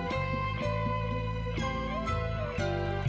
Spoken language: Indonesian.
tanahku yang dulu padam